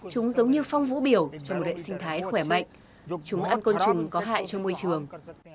chúng giống như phong vũ biểu cho một hệ sinh thái khỏe mạnh chúng ăn côn trùng có hại cho môi trường